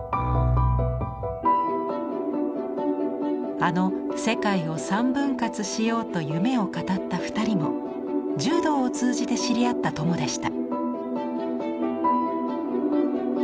あの世界を三分割しようと夢を語った２人も柔道を通じて知り合った友でした。